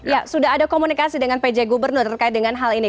ya sudah ada komunikasi dengan pj gubernur terkait dengan hal ini